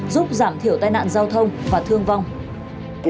giúp giảm thiểu tai nạn giao thông và thương vong